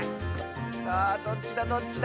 さあどっちだどっちだ